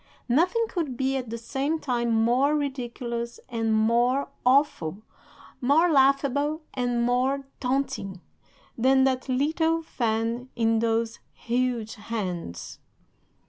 "'Nothing could be at the same time more ridiculous and more awful, more laughable and more taunting, than that little fan in those huge hands.